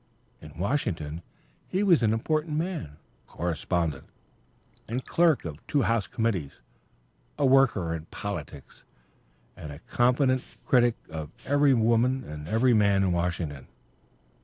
In Washington he was an important man, correspondent, and clerk of two house committees, a "worker" in politics, and a confident critic of every woman and every man in Washington.